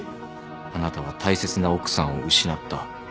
あなたは大切な奥さんを失った。